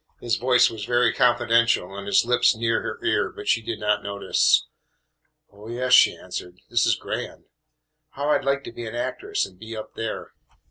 His voice was very confidential and his lips near her ear, but she did not notice. "Oh, yes," she answered, "this is grand. How I 'd like to be an actress and be up there!"